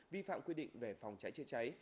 vi phạm quy định về phòng cháy chữa cháy